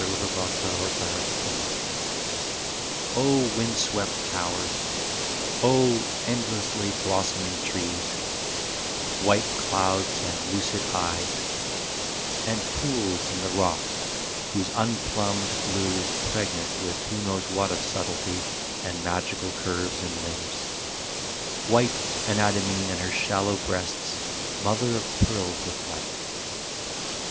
WINTER DREAM Oh wind swept towers, Oh endlessly blossoming trees, White clouds and lucid eyes, And pools in the rocks whose unplumbed blue is pregnant With who knows what of subtlety And magical curves and limbs White Anadyomene and her shallow breasts Mother of pearled with light.